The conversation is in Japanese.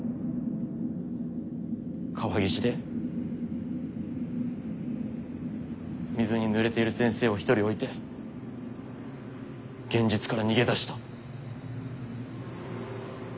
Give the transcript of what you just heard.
川岸で水に濡れている先生を一人置いて現実から逃げ出した」。